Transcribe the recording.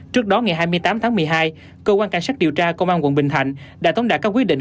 trước đó ngày hai mươi tám tháng một mươi hai cơ quan cảnh sát điều tra công an quận bình thạnh đã tống đạt các quyết định